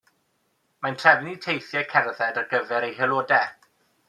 Mae'n trefnu teithiau cerdded ar gyfer ei haelodau.